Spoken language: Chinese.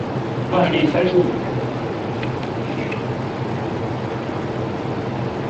万历三十五年。